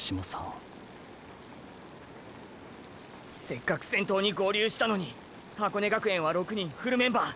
せっかく先頭に合流したのに箱根学園は６人フルメンバー！！